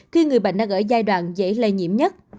khi người bệnh đang ở giai đoạn dễ lây nhiễm nhất